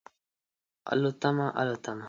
الوتمه، الوتمه